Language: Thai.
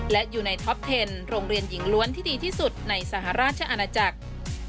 และอยู่ในท็อปเทนโรงเรียนหญิงล้วนที่ดีที่สุดในสหราชอาณาจักร